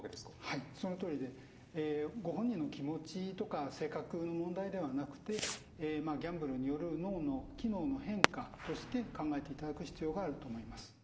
はいそのとおりでご本人の気持ちとか性格の問題ではなくてギャンブルによる脳の機能の変化として考えていただく必要があると思います。